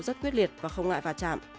rất quyết liệt và không ngại vào trạm